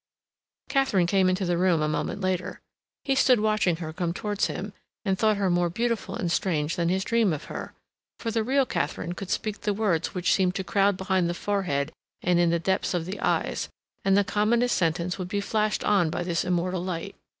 Katharine came into the room a moment later. He stood watching her come towards him, and thought her more beautiful and strange than his dream of her; for the real Katharine could speak the words which seemed to crowd behind the forehead and in the depths of the eyes, and the commonest sentence would be flashed on by this immortal light.